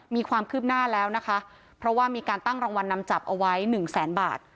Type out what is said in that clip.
มีความคืบหน้าแล้วนะคะเพราะว่ามีการตั้งรางวัลนำจับเอาไว้หนึ่งแสนบาท